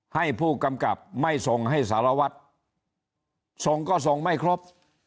ให้ผู้กำกับไม่ส่งให้สารวัตรส่งก็ส่งไม่ครบ